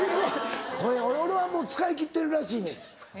声俺はもう使いきってるらしいねん。